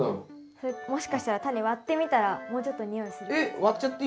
それもしかしたらタネ割ってみたらもうちょっと匂いするかも。